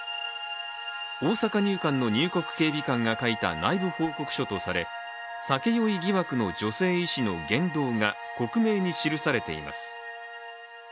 大阪入管の入国警備官が書いた内部報告書とされ、酒酔い疑惑の女性医師の言動が克明に記されています。